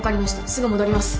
すぐ戻ります。